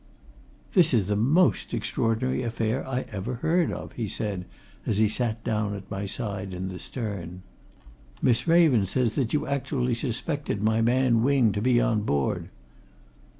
"This is the most extraordinary affair I ever heard of," he said as he sat down at my side in the stern. "You didn't see all these Chinamen? Miss Raven says that you actually suspected my man Wing to be on board!"